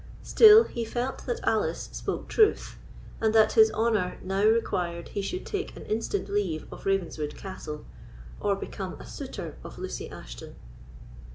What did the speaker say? Still, he felt that Alice spoke truth, and that his honour now required he should take an instant leave of Ravenswood Castle, or become a suitor of Lucy Ashton.